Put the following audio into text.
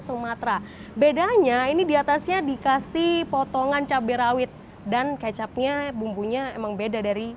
sumatera bedanya ini diatasnya dikasih potongan cabai rawit dan kecapnya bumbunya emang beda dari